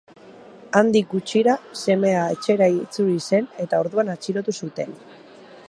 Handik gutxira, semea etxera itzuli zen eta orduan atxilotu zuten.